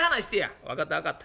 「分かった分かった。